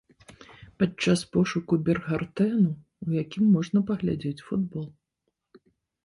Падчас пошуку біргартэну, у якім можна паглядзець футбол.